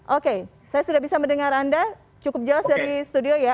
oke saya sudah bisa mendengar anda cukup jelas dari studio ya